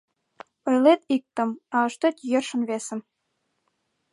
Ойлет иктым, а ыштет йӧршын весым.